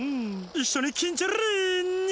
いっしょにキンチョリーニャ！